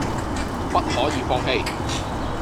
不可以放棄！